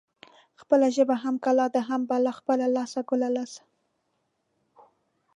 خپله ژبه هم کلا ده هم بلا. خپله لاسه ګله لاسه.